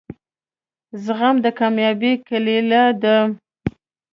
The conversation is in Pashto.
زغم دکامیابۍ کیلي ده